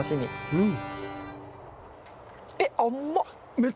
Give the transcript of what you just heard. うん！